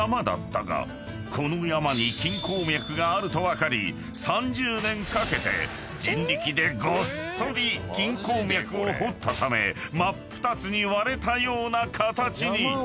［この山に金鉱脈があると分かり３０年かけて人力でごっそり金鉱脈を掘ったため真っ二つに割れたような形に］